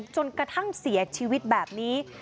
จนกระทั่งเสียชีวิตแบบนี้